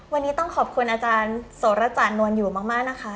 วันนี้ต้องขอบคุณอาจารย์โสระจานนวลอยู่มากนะคะ